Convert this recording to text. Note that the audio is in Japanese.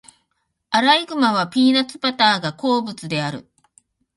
アライグマはピーナッツバターが好物である。